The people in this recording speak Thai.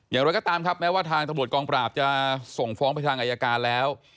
อย่างไรก็ตามครับแม้ว่าทางตำรวจกองปราบจะส่งฟ้องไปทางอายการแล้ว